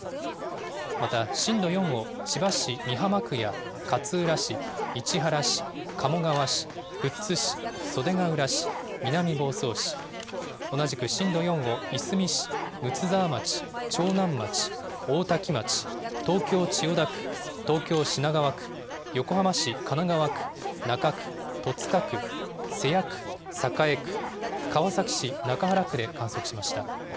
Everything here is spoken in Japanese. また、震度４を千葉市美浜区や勝浦市、市原市、鴨川市、富津市、袖ケ浦市、南房総市、同じく震度４をいすみ市、睦沢町、長南町、大多喜町、東京・千代田区、東京・品川区、横浜市神奈川区、中区、戸塚区、瀬谷区、栄区、川崎市中原区で観測しました。